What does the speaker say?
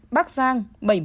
bắc giang bảy mươi